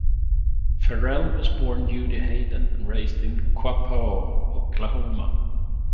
Farrell was born Judy Hayden and raised in Quapaw, Oklahoma.